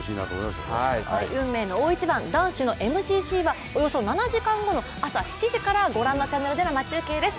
運命の大一番、男子のＭＧＣはおよそ７時間後の朝７時から御覧のチャンネルで生中継です。